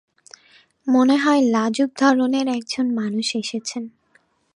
মনে হয় লাজুক ধরনের একজন মানুষ এসেছেন।